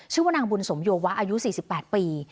ชื่อว่านางบุญสมโยวะอายุ๔๘ปี